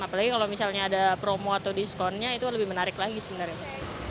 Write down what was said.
apalagi kalau misalnya ada promo atau diskonnya itu lebih menarik lagi sebenarnya